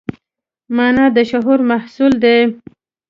مانا د شعور محصول دی.